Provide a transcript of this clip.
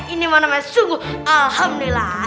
ini manamanya sungguh alhamdulillah